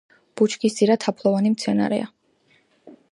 ბუჩქისძირა თაფლოვანი მცენარეა.